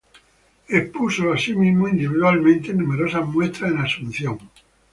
Expuso asimismo, individualmente, en numerosas muestras en Asunción.